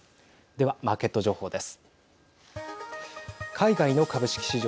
では、マーケット情報です。